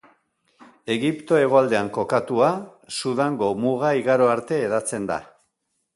Egipto hegoaldean kokatua, Sudango muga igaro arte hedatzen da.